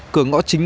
cửa ngõ chính